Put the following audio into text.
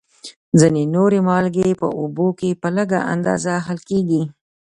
ځینې نورې مالګې په اوبو کې په لږ اندازه حل کیږي.